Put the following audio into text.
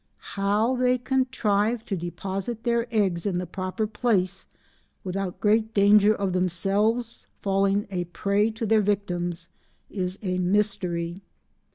How they contrive to deposit their eggs in the proper place without great danger of themselves falling a prey to their victims is a mystery.